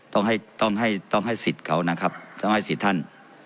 ต้องให้ต้องให้ต้องให้สิทธิ์เขานะครับต้องให้สิทธิ์ท่าน